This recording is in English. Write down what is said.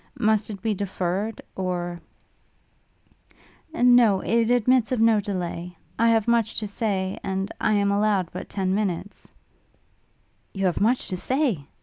Must it be deferred? or ' 'No; it admits of no delay. I have much to say and I am allowed but ten minutes ' 'You have much to say?'